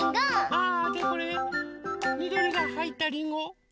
あでこれみどりがはいったりんご。